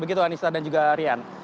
begitu anissa dan juga rian